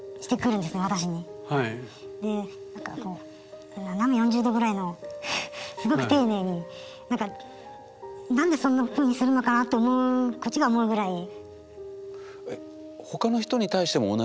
で何かこう斜め４０度ぐらいのすごく丁寧に何でそんなふうにするのかな？と思うこっちが思うぐらいに。